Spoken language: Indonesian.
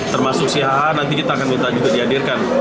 termasuk si hh nanti kita akan minta juga dihadirkan